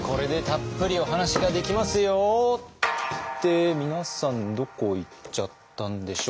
って皆さんどこ行っちゃったんでしょう。